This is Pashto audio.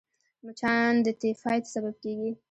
مچان د تيفايد سبب کېږي